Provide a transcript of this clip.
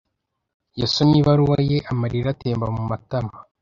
Yasomye ibaruwa ye, amarira atemba mu matama.